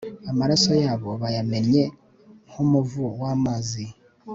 amaraso yabo bayamennye nk'umuvu w'amazi